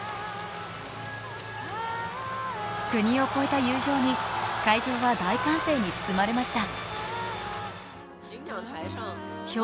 国を越えた友情に会場は大歓声に包まれました。